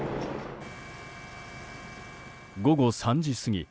午後３時過ぎ。